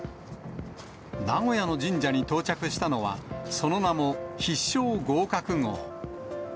名古屋の神社に到着したのは、その名も必勝合格号。